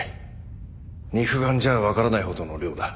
肉眼じゃわからないほどの量だ。